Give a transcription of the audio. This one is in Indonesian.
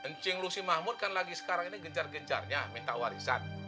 ncing lo si mahmud kan lagi sekarang ini gencar gencarnya minta warisan